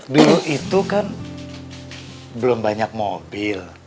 dulu itu kan belum banyak mobil